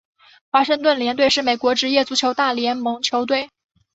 华盛顿联队是美国职业足球大联盟球队。